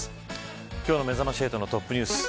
今日のめざまし８のトップニュース。